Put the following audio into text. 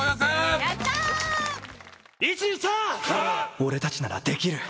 俺たちならできる。